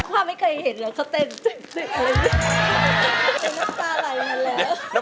ความไม่เคยเห็นเขาเต้นเสีย